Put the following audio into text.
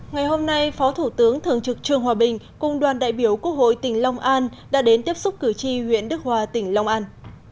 ngày hôm nay phó thủ tướng thường trực trương hòa bình cùng đoàn đại biểu quốc hội tỉnh long an đã đến tiếp xúc cử tri huyện đức hòa tỉnh long an